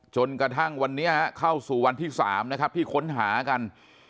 จนกระทั่งวันนี้เข้าสู่วันที่๓นะครับที่ค้นหากัน